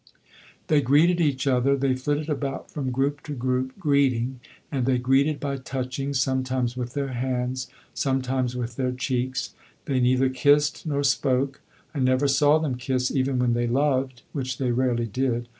They greeted each other; they flitted about from group to group greeting; and they greeted by touching, sometimes with their hands, sometimes with their cheeks. They neither kissed nor spoke. I never saw them kiss even when they loved which they rarely did.